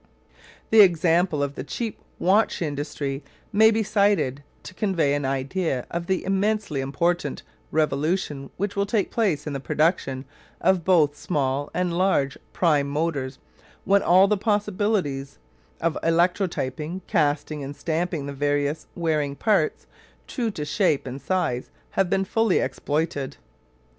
The example of the cheap watch industry may be cited to convey an idea of the immensely important revolution which will take place in the production of both small and large prime motors when all the possibilities of electrotyping, casting, and stamping the various wearing parts true to shape and size have been fully exploited.